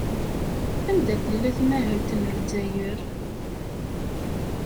Anda tella tmahelt n Lezzayer?